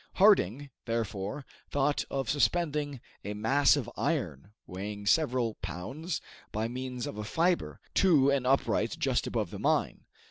Harding, therefore, thought of suspending a mass of iron, weighing several pounds, by means of a fiber, to an upright just above the mine.